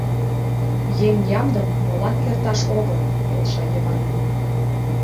Еҥ ямдым молан керташ огыл, — келша Йыванат.